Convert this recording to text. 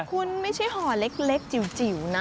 คุณไม่ใช่ห่อเล็กจิ๋วนะ